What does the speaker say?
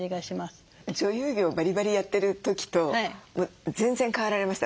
女優業バリバリやってる時と全然変わられました？